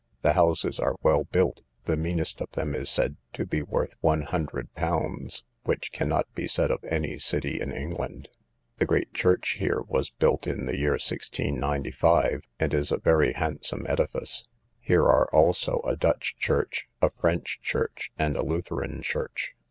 The houses are well built, the meanest of them is said to be worth one hundred pounds, which cannot be said of any city in England. The great church here was built in the year 1695, and is a very handsome edifice. Here are also a Dutch church, a French church, and a Lutheran church.